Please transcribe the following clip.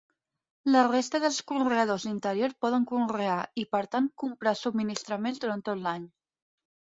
La resta dels conreadors d'interior poden conrear, i per tant comprar subministraments durant tot l'any.